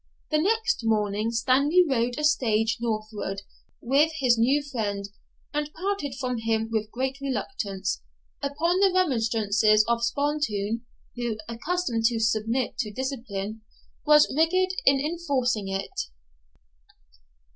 The next morning Stanley rode a stage northward with his new friend, and parted from him with great reluctance, upon the remonstrances of Spontoon, who, accustomed to submit to discipline, was rigid in enforcing it.